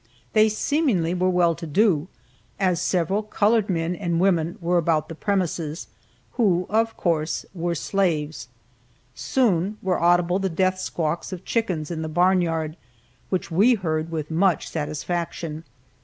They seemingly were well to do, as several colored men and women were about the premises, who, of course, were slaves. Soon were audible the death squawks of chickens in the barn yard, which we heard with much satisfaction.